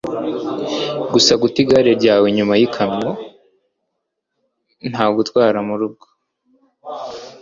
gusa guta igare ryawe inyuma yikamyo ndagutwara murugo